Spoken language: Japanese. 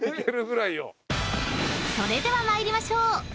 ［それでは参りましょう］